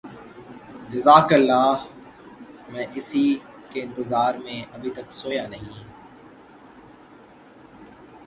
جزاک اللہ میں اسی کے انتظار میں ابھی تک سویا نہیں